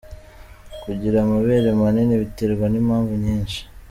Kugira amabere manini biterwa n’impamvu nyinshi.